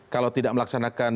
kalau tidak melaksanakan